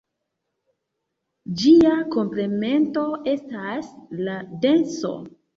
Ĝia komplemento estas la denso.